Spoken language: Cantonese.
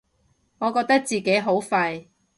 我覺得自己好廢